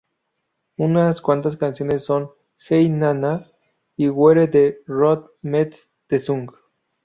Unas cuantas canciones son "Hey Na Na" y "Where the Road Meets the Sun".